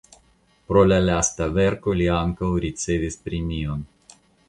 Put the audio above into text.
Pro la lasta verko li ankaŭ ricevis premion.